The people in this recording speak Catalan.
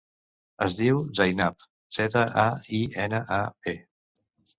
Es diu Zainab: zeta, a, i, ena, a, be.